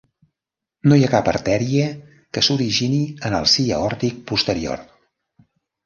No hi ha cap artèria que s'origini en el si aòrtic posterior.